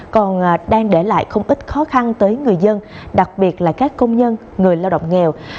còn đang để lại không ít khó khăn tới người dân đặc biệt là các công nhân người lao động nghèo